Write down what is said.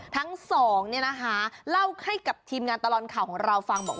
ทั้งสองเล่าให้กับทีมงานตลอดข่าวของเราฟังบอกว่า